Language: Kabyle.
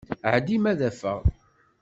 Ɛeddi ma ad t-afeɣ.